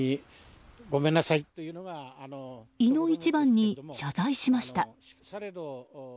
いの一番に謝罪しました。